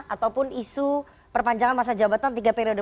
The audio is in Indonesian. ataupun isu perpanjangan masa jabatan tiga periode